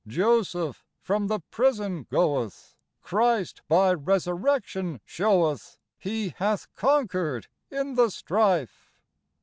Joseph from the prison goeth : Christ, by resurrection, showeth He hath conquered in the strife.